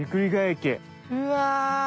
うわ！